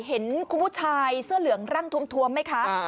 เห็นคุณผู้ชายเสื้อเหลืองร่างทวมไหมคะ